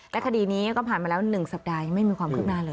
และคดีนี้ก็ผ่านมาแล้ว๑สัปดาห์ยังไม่มีความคืบหน้าเลย